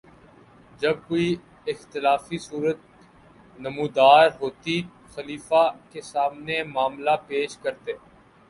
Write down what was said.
جب کوئی اختلافی صورت نمودار ہوتی، خلیفہ کے سامنے معاملہ پیش کرتے